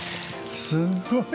すごい。